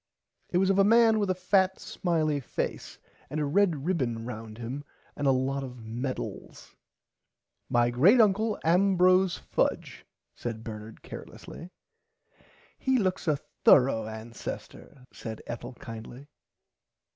It was of a man with a fat smiley face and a red ribbon round him and a lot [Pg 39] of medals. My great uncle Ambrose Fudge said Bernard carelessly. He looks a thourough ancester said Ethel kindly.